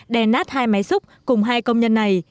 đè nát hai máy xúc cùng hai công nhân này